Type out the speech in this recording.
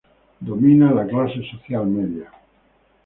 Domina la clase social media.